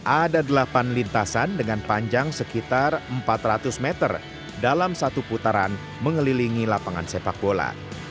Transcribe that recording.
ada delapan lintasan dengan panjang sekitar empat ratus meter dalam satu putaran mengelilingi lapangan sepak bola